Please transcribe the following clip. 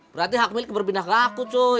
berarti hak milik berpindah ke aku